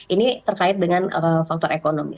ini terkait dengan faktor ekonomi